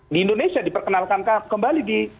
di indonesia diperkenalkan kembali di